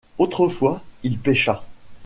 Autrefois il pêcha.